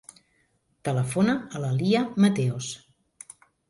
Telefona a la Lia Mateos.